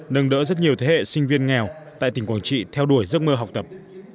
nâng đỡ rất nhiều thế hệ sinh viên nghèo tại tỉnh quảng trị theo đuổi giấc mơ học tập